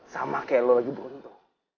sama kayak lu lagi burun itu